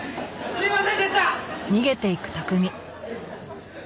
すいませんでした！